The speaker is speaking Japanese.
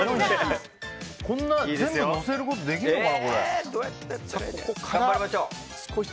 こんな全部載せることできるのかな？